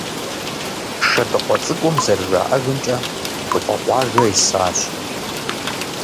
«Шэдыкъуэ цӀыкӀум», зэрыжаӀэжымкӀэ, Шэдыкъуэ къуажэ исащ.